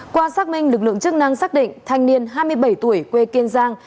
qua xác minh lực lượng chức năng xác định thanh niên hai mươi bảy tuổi quê kiên giang